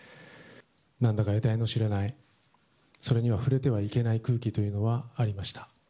なんだかえたいの知れない、それには触れてはいけない空気というのはありました。